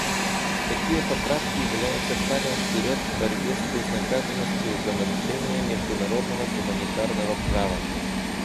Такие поправки являются шагом вперед в борьбе с безнаказанностью за нарушения международного гуманитарного права.